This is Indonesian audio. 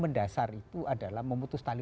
mendasar itu adalah memutus tali